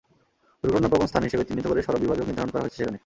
দুর্ঘটনাপ্রবণ স্থান হিসেবে চিহ্নিত করে সড়ক বিভাজক নির্মাণ করা হয়েছে সেখানে।